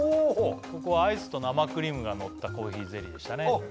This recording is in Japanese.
ここはアイスと生クリームがのったコーヒーゼリーでしたねあっ